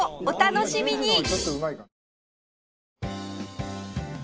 お楽しみに！